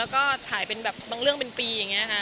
แล้วก็ถ่ายเป็นแบบบางเรื่องเป็นปีอย่างนี้ค่ะ